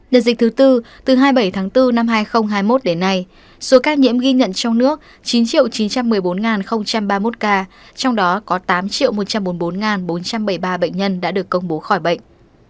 đợt dịch thứ tư từ hai mươi bảy tháng bốn năm hai nghìn hai mươi một đến nay số ca nhiễm ghi nhận trong nước chín chín trăm một mươi bốn ba mươi một ca trong đó có tám một trăm bốn mươi bốn bốn trăm bảy mươi ba bệnh nhân đã được công bố khỏi bệnh